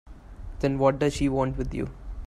Then what does she want with you?